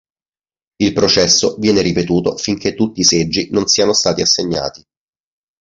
Il processo viene ripetuto finché tutti i seggi non siano stati assegnati.